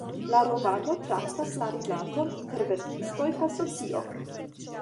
La romano traktas la rilaton inter verkistoj kaj socio.